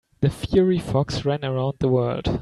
The fiery fox ran around the world.